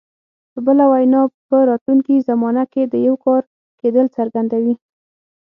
په بله وینا په راتلونکي زمانه کې د یو کار کېدل څرګندوي.